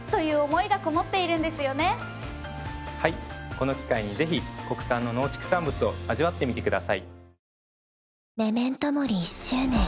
この機会にぜひ国産の農畜産物を味わってみてください。